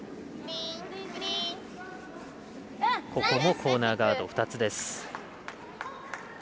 ここもコーナーガード２つです。